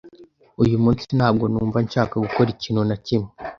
Uyu munsi, ntabwo numva nshaka gukora ikintu na kimwe.